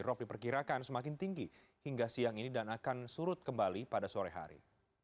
rop diperkirakan semakin tinggi hingga siang ini dan akan surut kembali pada sore hari